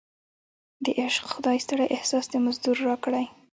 د عشق خدای ستړی احساس د مزدور راکړی